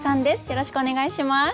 よろしくお願いします。